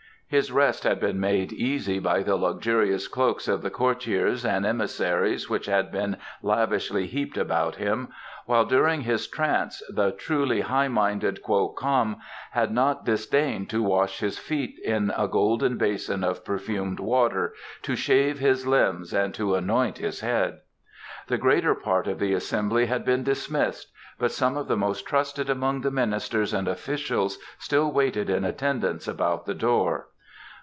His rest had been made easy by the luxurious cloaks of the courtiers and emissaries which had been lavishly heaped about him, while during his trance the truly high minded Kwo Kam had not disdained to wash his feet in a golden basin of perfumed water, to shave his limbs, and to anoint his head. The greater part of the assembly had been dismissed, but some of the most trusted among the ministers and officials still waited in attendance about the door.